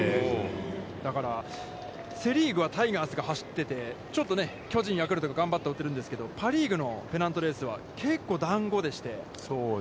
だから、セ・リーグはタイガースが走っててちょっと巨人ヤクルトが頑張って追っているんですけれども、パ・リーグのペナントレースは結構だんごでして。